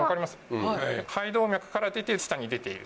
肺動脈から出て下に出ている。